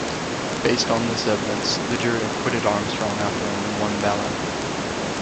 Based on this evidence, the jury acquitted Armstrong after only one ballot.